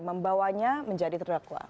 membawanya menjadi terdakwa